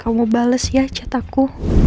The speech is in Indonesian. kamu bales ya cataku